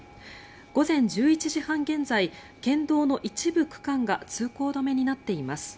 午前１１時半現在県道の一部区間が通行止めになっています。